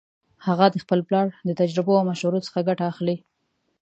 هغه د خپل پلار د تجربو او مشورو څخه ګټه اخلي